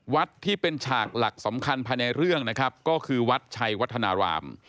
ที่เป็นฉากหลักสำคัญภายในเรื่องนะครับก็คือวัดชัยวัฒนาราม